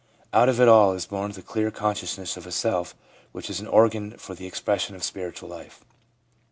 Out of it all is born the clear con sciousness of a self which is an organ for the expression of spiritual life.